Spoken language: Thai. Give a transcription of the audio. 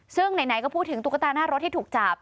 ซึ่งไหนก็พูดถึงตุ๊กตาหน้ารถที่ถูกจับ